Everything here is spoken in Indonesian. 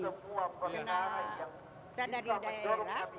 karena saya dari daerah